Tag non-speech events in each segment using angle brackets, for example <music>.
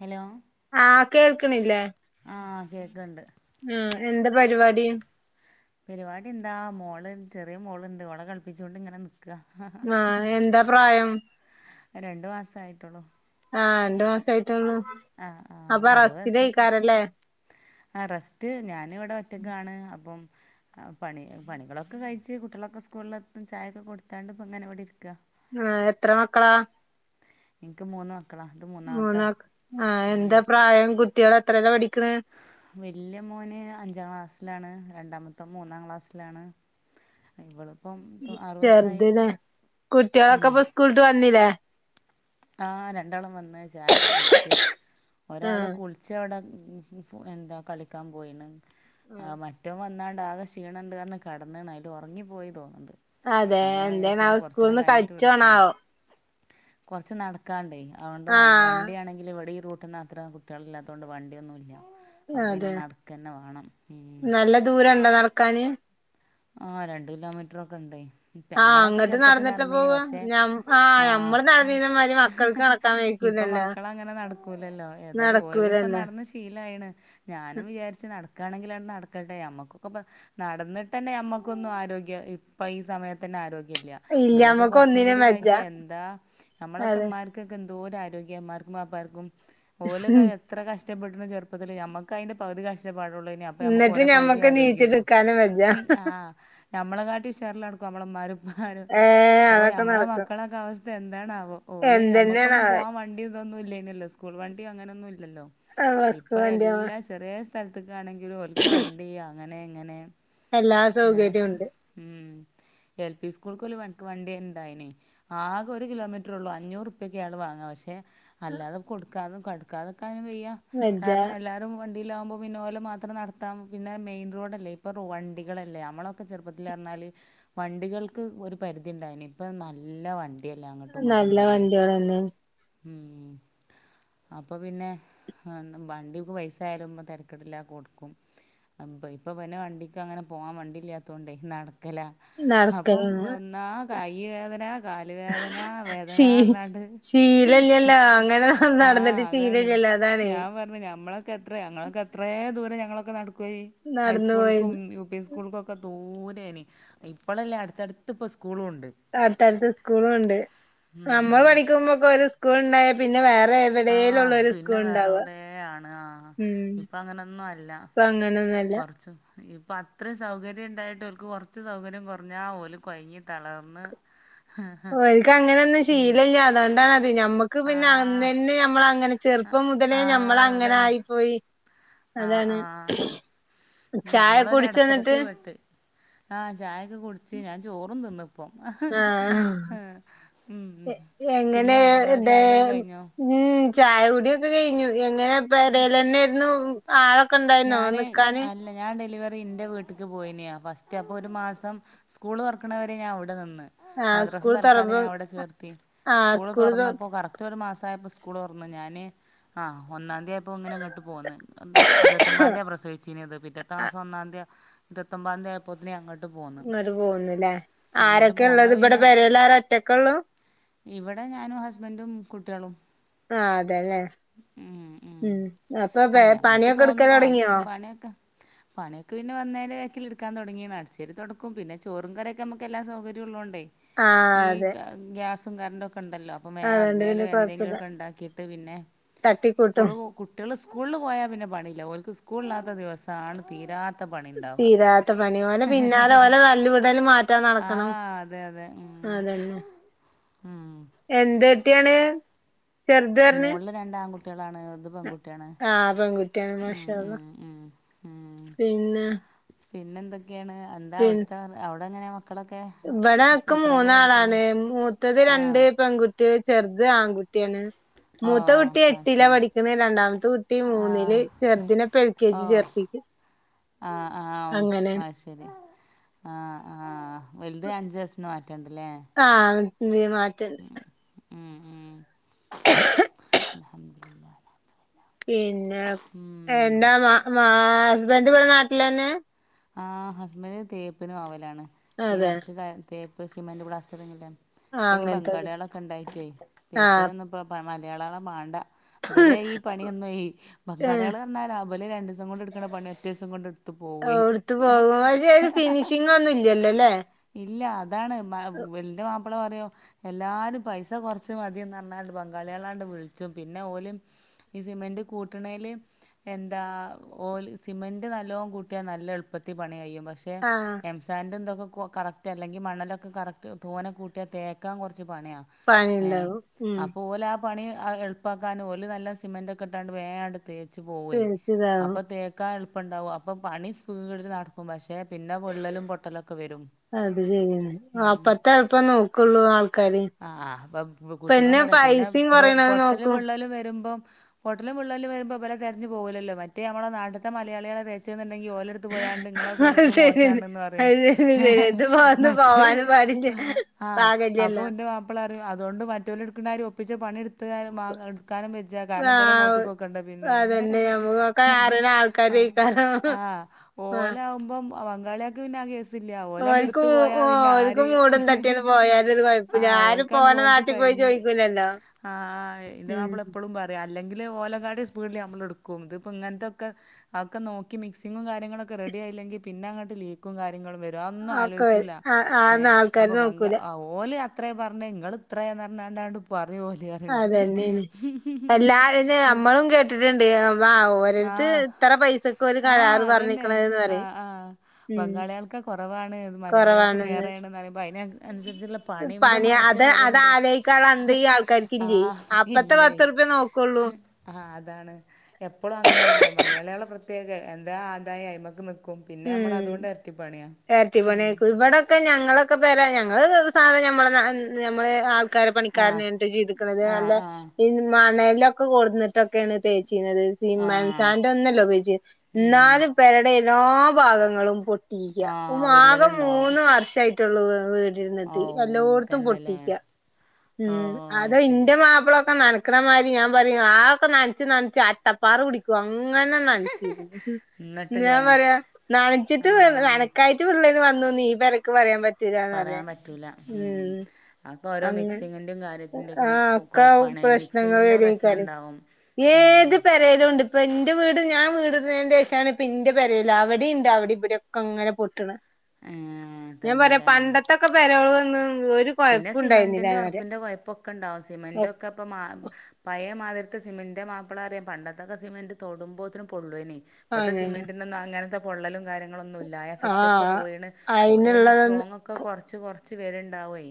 Hello ആഹ് കേൾക്കണില്ലേ ആഹ് കേക്കണ്ട് ഉം എന്താ പരിപാടി പരിപാടി എന്താ മോള് ചെറിയ മോളുണ്ട് ഓളെ കളിപ്പിച്ചോണ്ട് ഇങ്ങനെ നിക്കുക ആഹ് എന്താ പ്രായം രണ്ടു മാസായിട്ടുള്ളൂ ആഹ് രണ്ടു മാസായിട്ടൊള്ളൂ ആ ആ അപ്പൊ അറുപത് ദിവസം റെസ്റ്റില്ക്കാറല്ലേ ആ റെസ്റ്റ് ഞാന് ഇവിടെ ഒറ്റക്കാണ് അപ്പം ആ പണി പണികളൊക്കെ കഴിച്ച് കുട്ടികളൊക്കെ സ്കൂളിലെത്തും ചായയൊക്കെ കൊടുത്താണ്ട് ഇപ്പോ ഇങ്ങനെവിടെ ഇരിക്കാ ആ എത്ര മക്കളാ ഇനിക്ക് മൂന്ന് മക്ക മൂന്ന് മക്ക ആ എന്താ പ്രായം കുട്ടികള് എത്രല്ലാ പഠിക്കണ്‌ വലിയ മോന് അഞ്ചാം ക്ലാസ്സിലാണ് രണ്ടാമത്തെ മൂന്നാം ക്ലാസ്സിലാണ് ഇവളിപ്പം അറുപത് ചെറുതിനെ ദിവസമായി കുട്ടികളൊക്കെ ഇപ്പൊ സ്കൂളിട്ട് വന്നില്ലേ ആ രണ്ടാളും വന്ന് ചായയൊക്കെ കുടിച്ച് ഒരാള് ആഹ് കുളിച്ച് അവിടെ മ് എന്താ കളിക്കാൻ പോയിണ് ആ മറ്റോ വന്നാണ്ട് ആകെ ക്ഷീണണ്ട് കാരണം കെടന്നാണ് അതിൽ ഉറങ്ങി പോയി തോന്നണ്ട് അതെ അപ്പൊ ഞാൻ എന്തേണാവോ വിചാരിച്ച് കൊറച്ച് നേരം സ്കൂളിന്ന് കഴിഞ്ഞിട്ട് വിളിക്കാന്ന് കളിച്ചോണാവോ കുറച്ച് നടക്കാണ്ടേ അതുകൊണ്ട് ആഹ് വണ്ടിയാണെ ഇല്ല ഇവിടെ ഇ റൂട്ടന്ന് അത്ര കുട്ടികള് ഇല്ലാത്തോണ്ട് വണ്ടിയൊന്നും ഇല്ല അപ്പൊ അതെ പിന്നെ നടക്കന്നെ വേണം ഉം നല്ല ദൂരണ്ടോ നട ക്കാന് ആ രണ്ട് കിലോമീറ്ററൊക്കെ ഉണ്ടെയ് ആഹ് നമ്മളൊക്കെ അങ്ങട്ട് ചെറുപ്പത്തിൽ നടന്നിട്ടാ നടന്നീന് പോവാ പക്ഷെ ഞം ആഹ് ഞമ്മള് നടന്നീനമാതിരി മക്കൾക്ക് നടക്കാൻ ഇപ്പൊ വൈക്കൂലല്ലോ മക്കള് അങ്ങനെ നടക്കൂലല്ലോ ഏതായാലും ഓല് ഇപ്പ നടക്കൂലല്ലോ നടന്ന് ശ് പിലയാണ് ഞാനും വിചാരിച്ച് നടക്കയാണെങ്കില് നടക്കട്ടെ നമ്മുക്കൊക്കെപ്പ നടന്ന് തന്നെ നമ്മക്കൊന്നും ആരോഗ്യാം ഇപ്പൊ ഈ സമയത്ത് തന്നെ ആരോ ല്ലാ ഇല്ല ബല്ലോക്ക്‌ നമ്മക്ക് കുറച്ചും ഒന്നിനും കൂടി വെജ്ജ കഴിഞ്ഞാ എന്താ നമ്മളൊക്കെ അതെ മാരി ഇക്കാക്കെന്തോര ആരോഗ്യ ഇമ്മാർക്കും ബാപ്പാർക്കും ഓലക ഇത്ര കഷ്ടപ്പെട്ടുണു ചെറുപ്പത്തില് നമ്മക്ക് അയിന്റെ പകുതി കഷ്ടപ്പാടുള്ളു അപ്പോ എന്നിട്ട് നമുക്കോല പകുതി ഞമ്മക്ക് ആരോഗ്യള്ളു. നീച്ചെടുക്കാനും വെജ്ജ ആ ഞമ്മളെകാട്ടി ഉഷാറിലടക്കും നമ്മളെ ഇമ്മാരും ഏ അപ്പൊ അതൊക്കെ ഞമ്മളെ നടക്കും മക്കളൊക്കെ അവസ്ഥ എന്താണ് ആവോ ഓല് ഞമ്മക്കൊന്നും എന്തെന്നെയാണാവോ പോവാൻ വണ്ടി ന്നും ഇല്ലായിനില്ലോ സ്കൂൾ വണ്ടി അങ്ങനൊന്നും ഇല്ലല്ലോ ആ വസ്കോ ഇപ്പൊ വണ്ടിയാവാൻ എല്ലാം ചെറിയ സ്ഥലത്ക്കാണെങ്കിലും ഓൽക്ക് വണ്ടി അങ്ങനെ ഇങ്ങനെ എല്ലാ സൗകര്യം ഉണ്ട് ഉം എൽ പി സ്കൂൾക്ക് മുതൽക്ക് എൻക്ക് വണ്ടിണ്ടായിനെ ആകെ ഒരു കിലോമീറ്ററുള്ളൂ അഞ്ഞൂറുപ്യക്ക ആള് വാങ്ങ പക്ഷെ അല്ലാതെ കൊടുക്കാതെ കടുക്കാതിക്കിനും വെയ്യ വെജ്ജ കാരണം എല്ലാരും വണ്ടിയിലാവുമ്പ പിന്നെ ഓല മാത്രം നടത്താം പിന്നെ മെയിൻറോഡല്ലേ ഇപ്പ വണ്ടികളല്ലേ നമ്മളൊക്കെ ചെറുപ്പത്തില് പറഞ്ഞാല് വണ്ടികൾക്ക് ഒരു പരിധി ഇണ്ടായിന് ഇപ്പ നല്ല വണ്ടി ണ്ടില്ലേ അങ്ങട്ടും ഇങ്ങട്ടും നല്ല പോണേ വണ്ടികളെന്നെയാണ് ഉം അപ്പൊ പിന്നെ വണ്ടിക്ക് പൈസായാലും തെരക്കെടില്ലാ കൊടുക്കും. അപോ ഇപ്പൊ പന്നെ വണ്ടിക്കങ്ങനെ പോവാവണ്ടില്യാത്തോണ്ടേ നടക്കല അപ്പം നടക്കലാണ് വന്നാ കൈ വേദന കാല് വേദനാ ശീ വേദനർഞ്ഞാണ്ട് ശീലല്ലല്ലോ അങ്ങനെ ആഹ് നടന്നിട്ട് അതാണ്. ശീലല്ലല്ലോ അതാണേ ഞാൻ പറഞ്ഞു ഞമ്മളൊക്കെ എത്ര ഞങ്ങളൊക്കെ എത്ര ദൂരം ഞങ്ങളൊക്കെ നടക്കുവേയി നടന്നു ഹൈസ്കൂൾ പോയത് യു പി എസ് സ്കൂൾക്കൊക്കെ തോനേനി ഇപ്പളല്ലേ അടുത്തടുത്ത് ഇപ്പ സ്കൂളും ഉണ്ട് അടുത്തടുത്ത് സ്കൂളുണ്ട് നമ്മൾ പഠിക്കുമ്പോക്കെ ഒരു സ്കൂളുണ്ടായ പിന്നെ വേറെ ആ എവിടേലും ഉള്ള ഒരു പിന്നെ സ്കൂൾ വേറെ ഉണ്ടാവുക എവിടെയാണ് ആ ഇപ്പ അങ്ങനൊന്നും അല്ല ഇപ്പ അങ്ങനൊന്നോം അല്ല ഇപ്പ അത്ര സൗകര്യം ഇണ്ടായിട്ട് ഓല്ക് കൊറച്ച് സൗകര്യം കൊറഞ്ഞാൽ ഓല് കൊഴങ്ങി തളർന്ന് ഓൽക്ക് അങ്ങനെന്നും ശീലല്ല അതൊണ്ടാത് ഞമ്മക്ക് പിന്നെ ആഹ് അന്നന്നെ നമ്മളങ്ങനെ ചെറുപ്പം മുതലേ ആഹ് ഞമ്മളങ്ങനെ അതാണ് ആയിപ്പോയി ആഹ് അതാണ് ആഹ് ചായ നമ്മളൊരു കുടിച്ചോ എന്നിട്ട് എടത്തരത്തി പെട്ട് ആഹ് ചായൊക്കെ കുടിച്ച് ഞാൻ ചോറും തിന്നു അപ്പം ആഹ് ഉം എങ്ങനെ പിന്നെ നിങ്ങളെ ഇത് ചായ കുടിയൊക്കെ കഴിഞ്ഞോ ഉം ചായ കുടിയൊക്കെ കഴിഞ്ഞു എങ്ങനെ പെരേല്ലെന്നേയിരുനു ആളൊക്കെ ഒണ്ടായിന്നോ ഞാന് നിക്കാന്? അല്ല ഞാൻ ഡെലിവറി ഇൻ്റെ വീട്ടിക്ക് പോയിനെ ഫസ്റ്റ് അപ്പോ ഒരു മാസം സ്കൂള് തൊറക്കണവരെ ഞാൻ ഇവടെ നിന്ന്. ആഹ് മദ്രാസ് സ്കൂൾ തൽക്കാലം തൊറമ്പോ ഞാൻ അവിടെ ചേർത്തി ആഹ് സ്കൂള് തൊ തുറന്നപ്പോ കറ റ്റൊരു മാസം അയപ്പോ സ്കൂള് തൊറന്ന് ഞാന് ആ ഒന്നാം തീയതിയപ്പോൾ ഇങ്ങനെ ഇങ്ങോട്ട് പോന്ന് എ ഇരുപത്തി പ്രസവിചിന്നത് പിറ്റത്തെ ആഹ് മാസം ഒന്നാം തിയതി ഇരുപത്തൊമ്പാം തിയതി ആയപ്പം പെതിനെ അങ്ങേട്ട് പോന്ന് ഇങ്ങട്ട് പോന്നുല്ലേ ഇങ്ങട്ട് പോന്ന ആരൊക്കെള്ളത് ഇബടെ പിന്നെ പെരേലാരാ ഒറ്റക്കൊള്ളൂ ഇവടെ ഞാനും ഹസ്ബൻറും കുട്ടിക്കളും ആഹ് അതെല്ലേ ഉം അപ്പൊ അല്ല ഞമ്മക്ക് പണിക്കെ തോന്നും എടുക്കല് ആ തൊടങ്ങിയോ? പണിയൊക്കെ പണയൊക്കെ പിന്നെ വന്നെലെ വെക്കല് എടുക്കാൻ തൊടങ്ങിതാണ് അടച്ചേരി തൊടക്കും പിന്നെ ചോറും കറിക്കെ എല്ലാ സൗകര്യം ഉള്ളോണ്ടേ. ആഹ് ഈ അതെ ഗ്യാസും കറണ്ട് ഒക്കെ ഒണ്ടല്ലോ ഉമ്മേ അത് അതുകൊണ്ട് പിന്നെ മേലെ കൊഴപ്പല്ല എന്തെങ്കിലുലൊക്കെ ഉണ്ടാക്കിയിട്ട് പിന്നെ തട്ടിക്കൂട്ടും സ്കൂള് കു കുട്ടികള് സ്കൂൾ പോയാൽ പിന്നെ പണിയില്ല ഓല്ക്ക് സ്കൂളിലാത്ത ദിവസവാണ് തീരാത്ത റ്റോ തീരാത്ത പണി ഓലെ പിന്നാലെ ഓലെ തല്ലു കുടല് മാറ്റാൻ ആ നടക്കണം. അതെ ആഹ് അതന്നെ ആഹ് എന്ത് എട്ടിയാണ് മൊകളില് രണ്ട് ആൺകുട്ടികളാണ് ഇത് പെൺകു തെണ് ആഹ് പെൺകുട്ടിയാണ് ഉം മാഷാ ഉം അള്ളാ ഉം ഉം പിന്നെ പിന്നെ എന്തൊക്കെയാണ് എന്താ അവിടുത്തെ അവിടെ എങ്ങനെയാ മക്ക ഇവടെ ആക്ക് മൂന്നാളാണ് മൂത്തത് ആ രണ്ട് പെൺകു ട്ടെ ചെറുത് ആൺകുട്ടിയാണ് ഓ മൂത്ത കുട്ടി ആ എട്ടിലാ ശരി പഠിക്കുന്നേ രണ്ടാമത്തെ കുട്ടി ആ മൂന്നില് ചെറുദിനെ പെ കെ ജി ചേർത്തിക്ക് ആഹ് ആഹ് അങ്ങനെയാണ് മസ് ശരി ആഹ് ആഹ് വലുത് അഞ്ച് വയസിന് മാറ്റ ഉണ്ടല്ലേ ആഹ് പുതിയമാറ്റം ഉം ഉം ഉം <unintelligible> പിന്നെ എന്താ മാ മാ ഹസ്ബൻഡ് ഇവടെ നാട്ടിൽ തന്നെ ആ ഹസ്ബൻഡ് തേപ്പിനും ആവലാണ് ഈ അതെ വർക്ക് തേപ്പ് സിമെന്റ് പ്ലാസ്റ്ററിങ്ങ് എല്ലാം ആ പിന്നെ അങ്ങനത്തത് ബംഗാളികളൊക്കെ ഒണ്ടായിട്ടേ ആ തേപ്പപിന്ന മലയാളികളെ മാണ്ട അബലെ ഈ പണിയൊന്നും ഈ ബംഗാളികള് വന്നാല അബല് രണ്ട് ദിവസം കൊണ്ട് എടുക്കണ പണി ഒറ്റ ദിവസം കൊണ്ട് ത്ത് പോവൈ ഇത് പോകും ഫിനിഷിംഗൊന്നും ഇല്ലല്ലോല്ലേ ഇല്ല അതാണ് വെള്ളിന്റെ മാപ്പിള പറയോ എല്ലാരും പൈസ കൊറച്ച മതിന്ന് പറഞ്ഞാണ്ട് ബംഗാളികളാണ്ട് വിളിച്ചും പിന്നെ ഓലും ഈ സിമെന്റ് കൂട്ടണെല് എന്താ ഓല് സിമെന്റ് നല്ലോവും കൂട്ടിയാൽ നല്ല എളുപ്പത്തിൽ പണി കഴിയും പക്ഷെ ആഹ എം സാൻ്റ് എന്തൊക്കെ കറക്റ്റ് അല്ലെങ്കിൽ മണ്ണലൊക്കെ കറക്റ്റ് തോനെ കൂട്ടിയാൽ തേക്കാൻ കെറച്ച് പണിയാ ഏ പണിണ്ടാവും ഉം അപ്പൊ ഓല പണി എളുപ്പാക്കാനും ഓല് നല്ല സിമെൻ്റൊക്കെ ഇട്ടാണ്ട് വേഗം അങ്ങട്ട് തേച്ച് പോവെ ശരിക്കിതാവും അപ്പൊ തേപ്പ് ക്ക എളുപ്പം ഒണ്ടാവും അപ്പൊ പണി സ്പീഡില്നടക്കും പക്ഷെ പിന്നെ വിള്ളലും പൊട്ടലൊക്കെ വരും അത് ശരി ഉം. അപ്പത്തെ എളപ്പം നോക്കുള്ളൂ ആൾക്കാര് ആഹ് ആഹ് അപ്പം കുട്ടിപ്പൻ പറയും പിന്നെ പൈസയും കൊറയണത് പൊട്ടലും നോക്കും വിള്ളലും വരുമ്പം പോട്ടലും വിള്ളലും വരുമ്പോൾ ഇവരക്കെറിഞ്ഞു പോകില്ലല്ലോ മറ്റേ നമ്മടെ നാട്ടെത്തെ മലയളികളെ തേച്ചേന്നുണ്ടെിൽ ഓലോ എടുത്ത് പോയാണ്ട് നിങ്ങളെ അത് ഉദ്ദേശയിപ്പ് ശരിയാണ് മോശായാണെന്ന് പറയും അത് ശരി ഹ് ശരി ഹ് ഇത് പോന്ന് മറ്റേ പോവാനും പാടില്ല ആഹ് അപ്പോ പാകല്ലല്ലോ ന്റെ മാപ്പിള പറിം അതുകൊണ്ട് മറ്റോല് ഇടക്ക്ണ മാരി ഒപ്പിച്ച് പണി എടുത്ത് മാങ്ങ ട്ക്കാനും വെജ്ജാ കാരണം മ്പലെ ആ മോത്ത്ക്കോക്കെണ്ടെ പിന്നെ, അതന്നെ ഞമ്മക്കൊക്കെ അറിയണ ആ. ആൾക്കാരേക്കാരം ആഹ് ഓലാവുമ്പം ബങ്കാളിയൾക്ക് പിന്നെ ആ കേസ് ഓൽക്കും ഓൽക്കും മൂടും തട്ടിയാണ്ട് പോയാലൊരു കൊഴപ്പുല്ല ആഹ് ആരപ്പം ഓരെ നാട്ടിൽ പോയി ചോയ്ക്ക ക്കുലല്ലോ ആ ഇൻ്റെ മാപ്പിള എപ്പോളും പറിം അല്ലെങ്കില് ഓലെകാട്ടിം സ്പീഡില് നമ്മള്ട്ക്കും ഇതിപ്പോ ഇങ്ങനത്തൊക്കെ അഒക്കെ നോക്കി മിക്സിങ്ങും കാര്യങ്ങളൊക്കെ റെഡി ആയില്ലങ്കിൽ പിന്നെങ്ങട്ട് ലീ ക്കും കാര്യങ്ങളും വരും അഒന്നും ഒക്കെ വരും ആലോയ്ച്ചൂല ആ ഏ ആന്ന് ആൾക്കാര് അപ്പൊ ബംഗ നോക്കൂല ആ ഓല് അത്രയ പറഞ്ഞെ ഇങ്ങള് ഇത്രയറഞ്ഞാ എന്നാണ്ട് പറയും ഓല് പറിണ്ട് എല്ലാരതും നമ്മളും കേട്ടിട്ട്ണ്ട് ആ ഓര്ത് ആഹ് ഇത്ര പൈസക്ക് ഒരു കാരാറ് പറഞ്ഞിക്ക്ണെ ആഹ ആഹ ബംഗാളികൾക്ക കൊറവാണ് മലയാളികൾക്ക് കൊറവാണെന്ന് ദേറെണ്ന്ന്അറിയുമ്പം അയ്ന് അനുസര്ച്ച്ള്ള പണിന്റെ പണി മാറ്റം അത് അത് വര്ണ്ട്. ആലോയിക്കാള്ള അന്തം ഈ ആ ആൾക്കാർക്കില്ലേ അപ്പത്തെ ഇല്ലേ.. പത്തുറുപ്പ്യ നോക്കുള്ളൂ ആഹ് അതാണ് എപ്പോളും അങ്ങനെണല്ലോ മലയാളികളെ പ്രത്യേക എന്താ ആദായയ്മക്ക് നി ക്കും പിന്നെ നമ്മള്ള് ഉം അതോണ്ട് എരട്ടിപ്പാണിയാ ഉം. ക്കെ ഞങ്ങളൊക്കെപ്പെരാ ഞങ്ങള് സാധ നമ്മ നമ്മളെ ആൾ ക്കാര ആഹ് പണിക്കാരനായിട്ട ചെയ്ത്ക്ക്ണത് നല്ല ആഹ് ആഹ് മണലൊക്കെ ക്ക് കൊണ്ടന്നിട്ടൊക്കെയാണ് തേച്ചീ ന്നത് സിമന്റ് ആഹ് എമ്സാന്റൊന്നല്ല ഉപയോഗിച്ചെ ഉം ന്നാലും പെരടെ എല്ലാ ഭാഗങ്ങളും പൊട്ടീക്ക ആഹ് മാകം വിള്ളലുണ്ടാവും മൂന്ന് വർഷായിട്ടുള്ളൂ വീട് ഓ എല്ലോട്ത്തും തന്നെയല്ലേ പൊട്ടിക്ക ഓ ശരി ന്റെ മാപ്പളൊക്കെ നനക്ക്ണമാരി ഞാൻ പറയും ആ ഒക്കെ നനച്ച് നനച്ച് അട്ടപ്പാറ കുടിക്ക അങ്ങനെ നനച്ചിരുന്നു ഞാൻ എന്നിട്ടില്ലേ പറയാ നനച്ചിട്ട് ആ, നനക്കായിട്ട് മറ്റ പിള്ളേര് വന്നോന്ന് ഈ പെരക്ക് പറയാൻ പറ്റൂലാന്നറ്യ പറയാൻ പറ്റില്ല ഉം അതൊക്കെ ഓരോ അങ്ങെനെ മിക്സിങ്ങിൻ്റെയും കാര്യത്തിൻ്റെയൊക്കെ ആഹ ഒക്കെ കുഴപ്പമാണ് പ്രശ്നങ്ങള് മിക്സിങ്ങിൻ്റെ പ്രശ്നം വരെക്കാരം ഉണ്ടാവും ഏത് പെര പെരെലുണ്ട് ഇപ്പം ന്റെ വീട് ഞാൻ വീട്‌ട്ത്തെന്റെശേഷാണ് ഇപ്പം ന്റെ പെരെല് അവിടം ഇണ്ട് അവിടം ഇവിടീം ഒക്കെ അങ്ങനെ പൊട്ട്ണെ ഞാൻ പറയാ തന്നെയല്ലേ പണ്ടത്തൊക്കെ പെരോളൊന്നും ഒരു കൊഴപ്പം ഉണ്ടായിര്ന്നില്ലവരെ ന്റൊക്കെ കൊയപ്പൊക്കെണ്ടാവും സിമെന്റൊക്കെ പ്പം മാ പയേ മാതിരി ത്തെ സിമന്റ് ന്റെമാപ്പ്ള പറിം പണ്ടിത്തൊക്കെ സിമെന്റ് തൊടുമ്പോത്തിനും പൊള്ളെനി ഇപ്പത്തെ അങ്ങനെന്നെ സിമെന്റിനൊന്നും അങ്ങനത്തെ പൊള്ളലും കാര്യങ്ങളും ഒന്നും ഇല്ല എഫക്റ്റ് ഒക്കെ ആഹ് പോയിണ് ഓല് അയ്ന്റെ അയിനുള്ളതൊന്ന് സ്ട്രോങ് ഒക്കെ കൊറച്ച് കൊറച്ച് വര്ണ്ട് ണ്ടാവേ,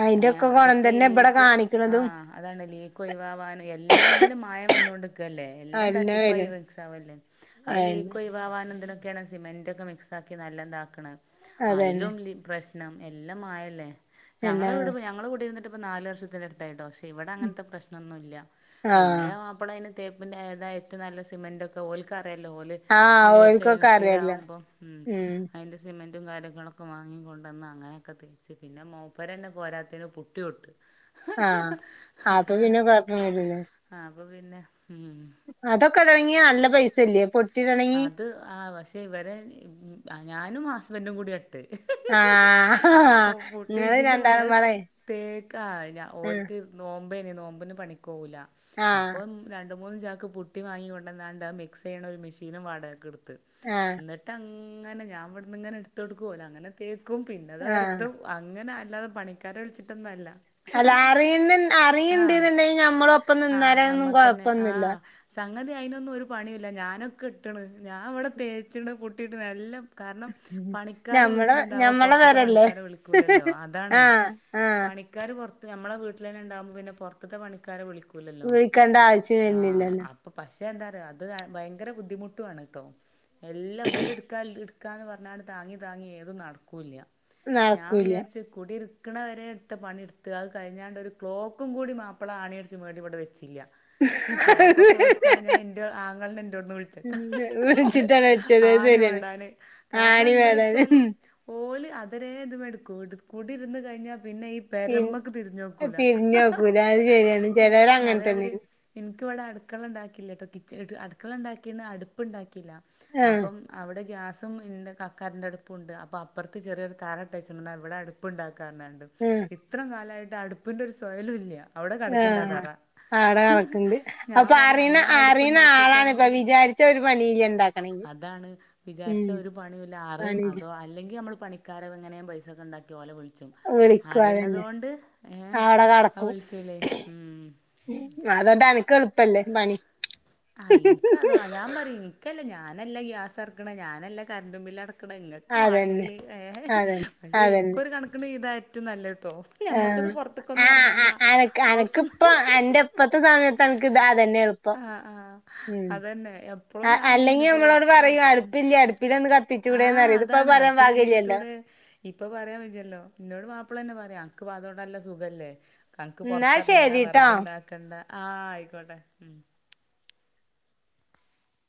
അയിന്റൊക്കെ ഗുണം അതൊക്കെ ഈ തന്നെ ഇബടെ ലീക്കും കാണിക്കണതും ആഹ് അതാണ് ലീക്ക് ഒയ് വാവാനും എല്ലാത്തിലും മായം വന്നോണ്ട്ക്കല്ലേ എല്ലാം തട്ടിപ്പായി സാവല്ലേ ആഎന്നെ ദാവാനുംഇതിനൊക്കെയാണ് സിമെന്റ് ഒക്കെ മിക്സ് ആക്കി നല്ലോം ഇതാക്ക്ണെ അതന്നെ അയ്ലും ണം എല്ലാം മായല്ലേ എല്ലാ ഞങ്ങളെ വീട് ഞങ്ങള കുടിര്ന്ന്ട്ട് ഇപ്പം നാല് വർഷത്തിന്റെ അടു ത്തായിട്ടോ പക്ഷെ ഇവിടെ അങ്ങനത്തെ പ്രശ്നംന്നുല്ല ആഹ് അഇന്റെ ഇമ്പടയ്ന് തേപ്പ്ന്റെ ഇത് ആയിട്ട് നല്ല സിമന്റ് ഒക്കെ ഓൽക്ക് അറിയല്ലോ ഓല് ഇത് ആഹ് യൂസ് ചെയ്ണ ഓൽക്കൊക്കെ അറിയല്ലോ സ്ഥിരകുമ്പോം ഉം അയ്ന്റെ സിമെന്റ് ഫുഡും കാര്യങ്ങളൊക്കെ വാങ്ങിക്കൊണ്ടന്ന അങ്ങനെയൊക്കെ തേച്ച് പിന്നെ മൂപ്പരന്നെ പോരാത്തെന് പുട്ട്ചുട്ട്. ആഹ് അപ്പൊ പിന്നെ കൊഴപ്പം വരൂല്ലേ. ആ അപ്പൊ പിന്നെ ഉം. അതൊക്കെ തൊടങ്ങിയ നല്ല പൈസല്ലേ പൊ അത് ആ പക്ഷെ ഇവരെ ഞാനും ആസബൻന്റും കൂടി ട്ട്... ആഹ് ഓ പുട്ടി ഇങ്ങള് ഇതിന്റെ മധ്‌രം അത് രണ്ടാളുംപാടെ തേക്കാ ഞാ ആഹ് ഓര്ക്ക് നോമ്പേനി നോമ്പ്ന് പണിക്കോവൂല്ല ആഹ് അപ്പം രണ്ട് മൂന്ന് ചാക്ക് പുട്ടി വാങ്ങി ക്കൊണ്ടന്നാണ്ട് അത് മിക്സ് ചെയ്യ്ണ ഒരു മെഷീനും വാടകെത്തെട്ത്ത് ആഹ് എന്നിട്ട് അങ്ങനെ ഞാൻവിടുന്ന് ഇങ്ങനെ എടുത്ത് കൊടുക്കും ഒല് അങ്ങനെ തേക്കും പിന്നെത് ആഹ് ഒരതും. അങ്ങനെ അല്ലാതെ പണിക്കാരെ വിളിച്ചിട്ടൊന്നും അല്ല. അല്ല അറിയണ്ട അറിയിണ്ട് ആഹ് ഉണ്ടെങ്കില് ഞമ്മള് ഒപ്പം ആഹ് നിന്നാലും ഒന്നും നമ്മക്കന്നെ കൊഴപ്പൊന്നുമില്ല. ആഹ് സംഗതി അതിനൊന്നും ഒരു പണിയല്ല ഞാനൊക്കെ ഇട്ടണ് ഞാൻ അവിടെ തേച്ചിണ് പൊട്ടിയിട്ട് നല്ലം. കാരണം പണിക്കാര് ഞമ്മളെ വീട്ടിലുണ്ടാവോ ഞമ്മളെ പുറത്തത്തെ പേരല്ലേ പണിക്കാരെ വിളിക്കൂലല്ലോ അതാണ്. ആഹ് പണി ആഹ് പണിക്കാര് പുറത്ത് നമ്മള വീട്ടിൽന്നെണ്ടാവുമ്പൾ പിന്നെ പോറത്ത്തെ പണിക്കാരെ വിളും. ചേഴിക്കേണ്ട ആവശ്യം വരുന്നില്ലല്ലോ? അപ്പം പക്ഷെ എന്താ പറയുക അത് ഭയങ്കര ബുദ്ധിമുട്ടുാണ് കേട്ടോ എല്ലാം ബല് എടുക്കാ ന്ന് പറഞ്ഞ താങ്ങി താങ്ങി ഏതും നടക്കൂല്ല ഞാൻ നടക്കൂല വിചാരിച്ച്. കുടി ഇരിക്കുന്നണവരെ എടുത്ത് പണിെടുത്തുക അത് കഴിഞ്ഞാണ്ട് ഒരു ക്ലോക്കും കൂടി മാപ്പിള ആണിയടിച്ച് മേടി ഇവിടെ വെച്ചില്ല. ഉ ക്ലോക്ക്ക്കെ വെക്കാ ഞാൻ ഇന്റെ ആങ്ങളനെ എന്റെറോന്ന് വിളിച്ചത്. വിളിച്ചിട്ടാണ് വെച്ചത് അത് ആണി ശരിയാണ് മോടാന് കാരണം ആണി എന്താ വേടാന് വെച്ചാല്. ഓളി അതരെ ഇതും എടുക്കും കുടിരുന്നു കഴിഞ്ഞാൽ പിന്നെ ഈ പി പേരമ്മക്ക് തിരിഞ്ഞോക്കൂല തിരിഞ്ഞോക്കൂല അത് ശരിയാണ് ചെലോര് അങ്ങനെ അതേമാതിരി. തന്നെയാണ് എനിക്ക് വിടെ അടുക്കള ഉണ്ടാക്കിയില്ല കേട്ടോ ക അടുക്കള ഉണ്ടാക്കി അടുപ്പ ഉണ്ടാക്കില്ല ആഹ് അപ്പം. അവിടെ ഗ്യാസും ഇന്റെ കക്കാരൻ്റെ അടുപ്പുംണ്ട് അപ്പോ അപ്പുറത്ത് ചെറിയൊരു താര ഇട്ട അച്ച്ന് അവിടെ അടു ഉടുപ്പ ഉണ്ടാക്കാറണ്ട് ആഹ് ഇത്രം കാലമായിട്ട് അടുപ്പിന്റെ ഒരു സ്വയലും ഇല്ല. അവിടെ കിടക്കണ്ട ആ ആഹ തറ ആട കണക്കണ്ട് ഞാൻ അപ്പൊ പറയാ അറിയണ അന്നാ അറിയുന്ന ആളാണ്പ്പ അടുപ്പുണ്ടാക്കിയൊക്കാണെങ്കിൽ വിചാരിച്ച്. <unintelligible> ഉണ്ടാക്ക അതാണ് വിചാരിച്ച ഒരു പണിയുല്ല അറിയും പണിയില്ല അതോ അല്ലെങ്കിൽ നമ്മൾ പണി ആക്കാരും എങ്ങന പൈസക്കെണ്ടി ലെ വിളി ച്ചും. വിളിക്കും അതന്നെ അറിണതൊണ്ട്ഏ ആടെ കടക്കും അവിൾചുലേ മ്മ്ഹ് അതോണ്ട് അനക്ക് എളുപ്പല്ലേ പണി ആ. ഇൻക്ക് അതൊ. ഞൻ പറയും. ഇൻക്കല്ലേ. ഞാനല്ല ഗ്യാസ് അറക്ണ് ഞാനല്ലെ കരണ്ട്ബില്ല് അടക്. ക്ണ്എങ്ങക് അതന്നെ വണെങ്കില് ഏ അതന്നെ പഷെ അതന്നെ ഇൻക്കൊരു കണക്കിന് ഇതാ ഏറ്റവും നല്ലത് ട്ടൊ.. ആഹ് ഞമ്മക്കന്ന്പൊറത്ക്കൊന്നും ആഹ് എറങ്ങണ്ട അ അനക്ക് അവ്ത് അനക്കിപ്പ ന്നെ അന്റെ ഇപ്പത്തെ സമയത്ത് അനക്ക് ഇത് അതന്നെ എളുപ്പം ആഹ. ആഹ ഉം അതന്നെ എപ്പോളും അ ഞങ്ങനെ അല്ലെങ്കി പ്പോ പൊ- നമ്മളോട് പറയും അടുപ്പില്ലേ അടുപ്പിലൊന്ന് ആ കത്തിച്ചൂടെന്നറിയും ഇതിപ്പത് അതാണ് പറയാൻ അടുപ്പ് കൈയ് പാകില്ലല്ലോ. കയിയൂട്. ഇപ്പൊ പറയാൻ വെജ്ജല്ലോ ന്നോട് മാപ്പളന്നെ പറയ അൻക്ക് അതൊണ്ടല്ല സുഖല്ലേ. ആൻക്ക് ന്നാ പൊറത്തറങ്ങണ്ട വെറക് ശരിട്ടോ. ണ്ടാക്കണ്ട ആഹ ആയിക്കോട്ടെ. മ്ഹ്